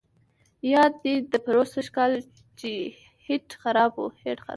یاد دي دي پروسږ کال چې هیټ خراب وو.